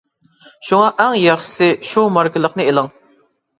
شۇڭا ئەڭ ياخشىسى شۇ ماركىلىقنى ئېلىڭ.